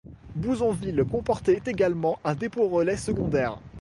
Bouzonville comportait également un dépôt-relais secondaire.